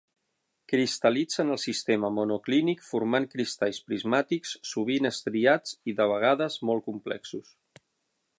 Cristal·litza en el sistema monoclínic, formant cristalls prismàtics, sovint estriats, i de vegades molt complexos.